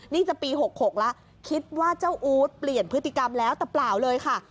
นี่จะปี๖๖แล้วคิดว่าเจ้าอู๊ดเปลี่ยนพฤติกรรมแล้วแต่เปล่าเลยค่ะ